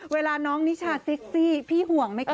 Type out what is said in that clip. เวลาน้องนิชาเซ็กซี่พี่ห่วงไหมคะ